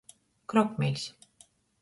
Krokmeļs.